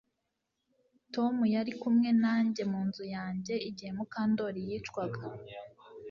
Tom yari kumwe nanjye mu nzu yanjye igihe Mukandoli yicwaga